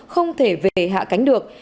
không thể về hạ cánh được